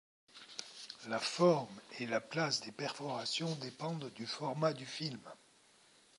La forme et la place des perforations dépendent du format du film.